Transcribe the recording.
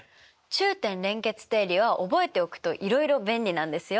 中点連結定理は覚えておくといろいろ便利なんですよ。